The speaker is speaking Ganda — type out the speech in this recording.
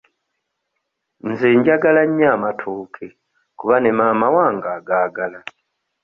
Nze njagala nnyo amatooke kuba ne maama wange agaagala.